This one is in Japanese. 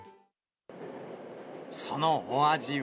そのお味は。